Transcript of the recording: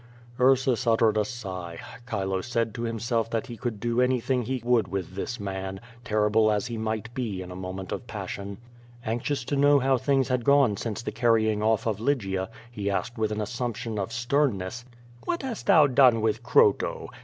Ursus uttered a sigh. Chilo said to himself that he could do anything he would with this man, terrible as he might be in a moment of passion. Anxious to know how things had gone since the carrying off of Lygia, he asked with an assumption of sternness: "What hast thou done with Croto?